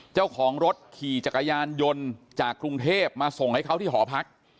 เจ้าของรถขี่จักรยานยนต์จากกรุงเทพมาส่งให้เขาที่หอพัก